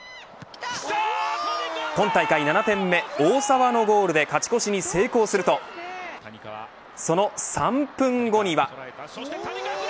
今大会７点目大澤のゴールで勝ち越しに成功するとその３分後には。